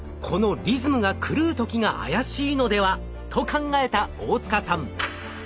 このリズムが狂うときが怪しいのでは？と考えた大塚さん。